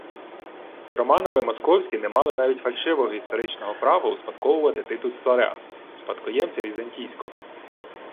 Тож Романови московські не мали навіть фальшивого історичного права успадковувати титул царя – спадкоємця візантійського